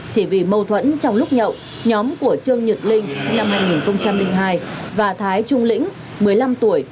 chỉ vì mâu thuẫn trong lúc nhậu nhóm của trương nhật linh sinh năm hai nghìn hai và thái trung lĩnh một mươi năm tuổi